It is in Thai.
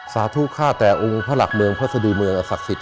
สาธุข้าแต่องค์พระหลักเมืองพระสดีเมืองศักดิ์สิทธิ